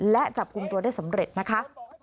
และจับกลุ่มตัวได้สำเร็จนะคะ